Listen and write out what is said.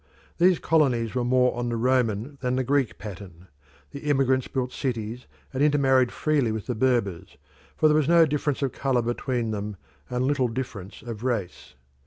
These colonies were more on the Roman than the Greek pattern; the emigrants built cities and intermarried freely with the Berbers, for there was no difference of colour between them, and little difference of race.